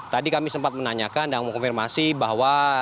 tadi kami sempat menanyakan dan mengkonfirmasi bahwa